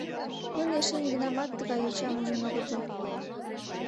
Нуно эше нигунамат тыгай йочам ужын огытыл.